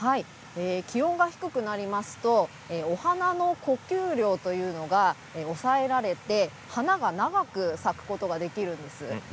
気温が低くなりますとお花の呼吸量というのが抑えられて花が長く咲くことができるんです。